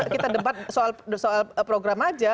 kita debat soal program aja